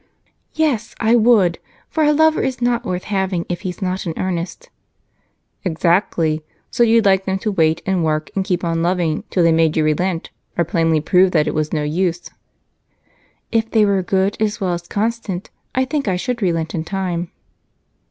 "Yes, I would, for a lover is not worth having if he's not in earnest!" "Exactly. So you'd like them to wait and work and keep on loving till they made you relent or plainly proved that it was no use." "If they were good as well as constant, I think I should relent in time."